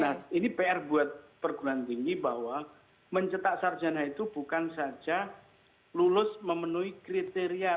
nah ini pr buat perguruan tinggi bahwa mencetak sarjana itu bukan saja lulus memenuhi kriteria